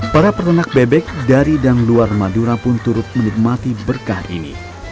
para peternak bebek dari dan luar madura pun turut menikmati berkah ini